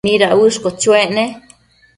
¿mida uëshquio chuec ne?